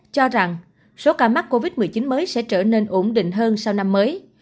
cho rằng số ca mắc covid một mươi chín mới sẽ trở nên ổn định hơn sau năm mới